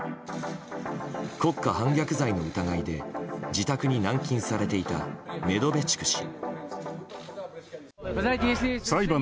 国家反逆罪の疑いで自宅に軟禁されていたメドベチュク氏。